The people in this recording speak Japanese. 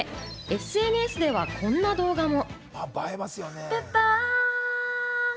ＳＮＳではこんな動画も。